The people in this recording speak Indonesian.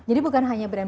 jadi bukan hanya berhasil